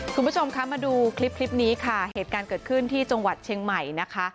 คุณผู้ชมคะมาดูคลิปคลิปนี้ค่ะเหตุการณ์เกิดขึ้นที่จังหวัดเชียงใหม่นะคะ